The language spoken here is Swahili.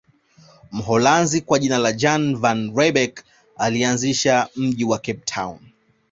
Mholanzi kwa jina Jan van Riebeeck alianzisha mji wa Cape Town